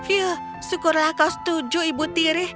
yuk syukurlah kau setuju ibu tiri